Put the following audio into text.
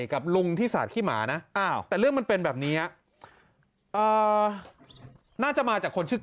กับลุงที่สาดขี้หมานะแต่เรื่องมันเป็นแบบนี้น่าจะมาจากคนชื่อ